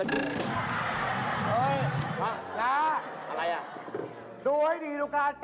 เหมือนยายจะมาอาศัยร่างอยู่กว่าเรา